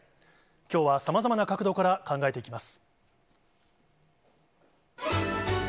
きょうはさまざまな角度から考えていきます。